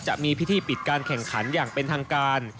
จะมีพิธีปิดการแข่งขันอย่างเป็นทางการ